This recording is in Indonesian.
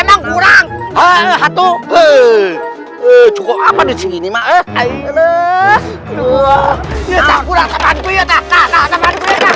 kurang kurang satu becukup apa di sini maaf air lu dua dua kurang sampai kita tak ada